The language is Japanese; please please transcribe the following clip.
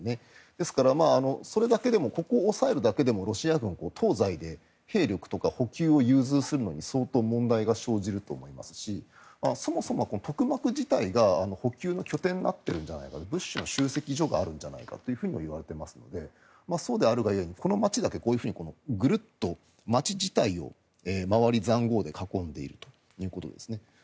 ですからそれだけでもここを押さえるだけでもロシア軍、東西で兵力とか補給を融通するのに相当問題が生じると思いますしそもそもトクマク自体が補給の拠点になってるんじゃないか物資の集積所があるんじゃないかといわれていますのでそうであるが故にぐるっと街自体を周り、塹壕で囲んでいるということですね。